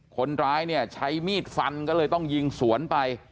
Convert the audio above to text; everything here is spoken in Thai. คนร้ายเนี่ยใช้มีดฟันก็เลยต้องยิงสวนไป